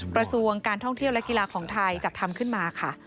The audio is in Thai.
กระทรวงการท่องเที่ยวและกีฬาของไทยจัดทำขึ้นมาค่ะ